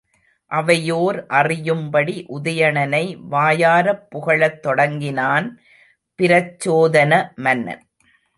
அவையோர் அறியும்படி உதயணனை வாயாரப் புகழத் தொடங்கினான் பிரச்சோதன மன்னன்.